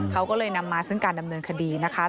เขาก็เลยนำมาซึ่งการดำเนินคดีนะคะ